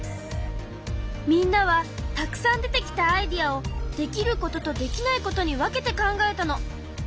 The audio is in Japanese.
みんなはたくさん出てきたアイデアをできることとできないことに分けて考えたの。